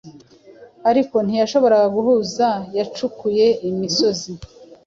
ariko ntiyabishobora guhuza Yacukuye imisozi